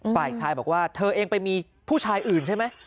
ฝ่ายชายบอกว่าเธอเองไปมีผู้ชายอื่นใช่ไหม